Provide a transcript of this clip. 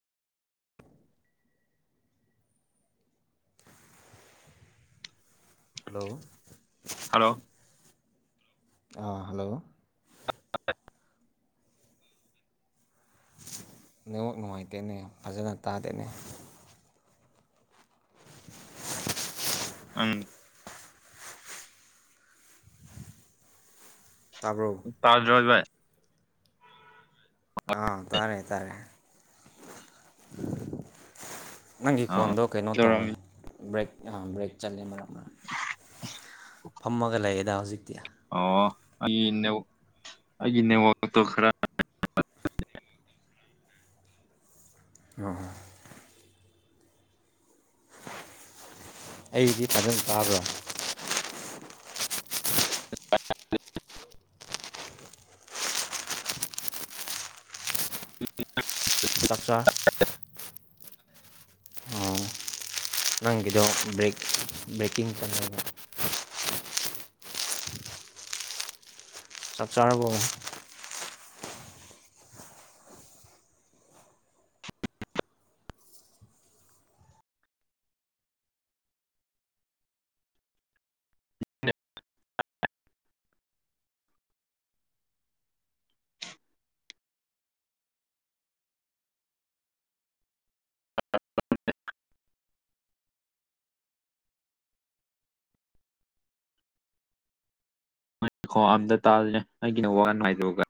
hello hello ꯑꯥ hello network ꯅꯨꯡꯉꯥꯏꯇꯦꯅꯦ ꯐꯖꯅ ꯇꯥꯗꯦꯅꯦ ꯎꯪ ꯇꯥꯕ꯭ꯔꯣ ꯇꯥꯥꯗ꯭ꯔꯣ ꯐꯕꯥꯏ ꯑꯥ ꯇꯥꯔꯦ ꯇꯥꯔꯦ ꯅꯪꯒꯤ ꯑꯥ ꯈꯣꯟꯗꯣ ꯀꯩꯅꯣ ꯇꯧꯋꯦ ꯀꯩꯗꯧꯔꯝꯃꯤ ꯕ꯭ꯔꯦꯛ ꯑꯥ ꯕ꯭ꯔꯦꯛ ꯆꯠꯂꯦ ꯃꯔꯛ ꯐꯝꯃꯒ ꯂꯩꯌꯦꯗ ꯍꯧꯖꯤꯛꯇꯤ ꯑꯣ ꯑꯩꯒꯤ ꯅꯦꯠꯋꯥꯛ ꯑꯩꯒꯤ ꯅꯦꯠꯋꯥꯛꯇꯣ ꯈꯔ ꯑꯣ ꯑꯩꯗꯤ ꯐꯖꯟ ꯇꯥꯕ꯭ꯔꯣ [unintelligible] ꯆꯥꯛ ꯆꯥ ꯑꯣ ꯅꯪꯒꯤꯗꯣ ꯕ꯭ꯔꯦꯛ ꯕ꯭ꯔꯦꯀꯤꯡ ꯆꯠꯂꯦꯕ ꯆꯥꯛ ꯆꯥꯔꯕꯣ [unintelligible] ꯈꯣ ꯑꯝꯗ ꯇꯥꯗ꯭ꯔꯦ ꯅꯪꯒꯤ ꯅꯦꯠꯋꯥꯛ ꯌꯥꯝ ꯅꯨꯡꯉꯥꯏ [unintelligible]